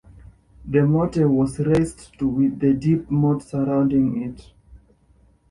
The motte was raised to with the deep moat surrounding it.